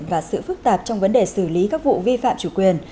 và sự phức tạp trong vấn đề xử lý các vụ vi phạm chủ quyền